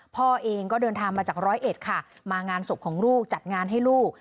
พ่อเองก็เดินทางมาจากร้อยเอ็ดค่ะมางานศพของลูกจัดงานให้ลูก